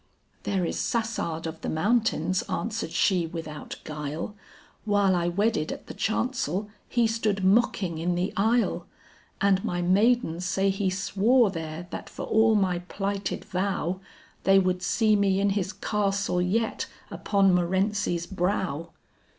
"There is Sassard of the Mountains," answered she without guile, "While I wedded at the chancel, he stood mocking in the aisle; And my maidens say he swore there that for all my plighted vow, They would see me in his castle yet upon Morency's brow."